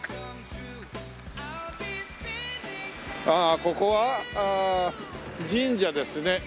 ああここは神社ですね。